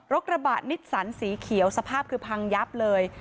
กระบะนิสสันสีเขียวสภาพคือพังยับเลย